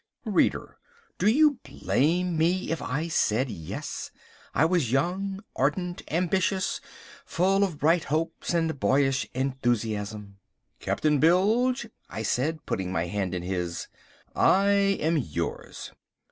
Reader, do you blame me if I said yes? I was young, ardent, ambitious, full of bright hopes and boyish enthusiasm. "Captain Bilge," I said, putting my hand in his, "I am yours."